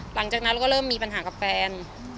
หลังจากนั้นเราก็เริ่มมีปัญหากับแฟน